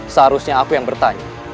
seharusnya aku yang bertanya